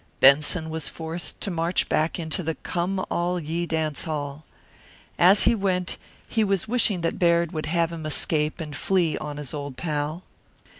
Benson was forced to march back into the Come All Ye Dance Hall. As he went he was wishing that Baird would have him escape and flee on his old pal.